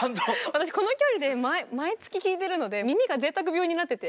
私この距離で毎月聴いてるので耳がぜいたく病になってて。